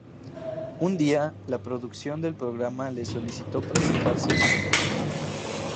Un día, la producción del programa les solicitó presentarse juntos.